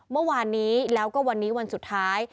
เมื่อวานนี้แล้วก็วันนี้วันสุดท้าย